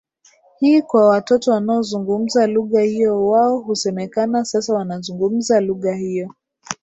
hii kwa watoto wanaozungumza lugha hiyo wao husemekana sasa wanazungumza lugha hiyo